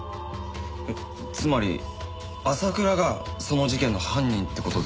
えっつまり朝倉がその事件の犯人って事ですか？